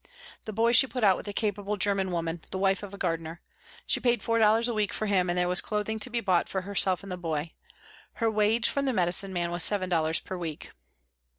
The boy she put out with a capable German woman, the wife of a gardener. She paid four dollars a week for him and there was clothing to be bought for herself and the boy. Her wage from the medicine man was seven dollars a week.